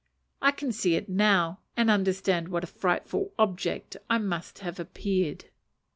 I can see it now, and understand what a frightful object I must have appeared.